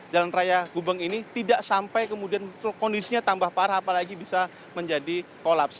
jalan raya gubeng ini tidak sampai kemudian kondisinya tambah parah apalagi bisa menjadi kolaps